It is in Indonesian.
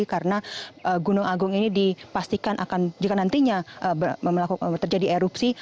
karena gunung agung ini dipastikan akan jika nantinya terjadi erupsi